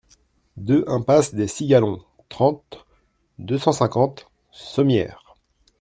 deux impasse des Cigalons, trente, deux cent cinquante, Sommières